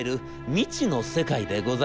未知の世界でございました。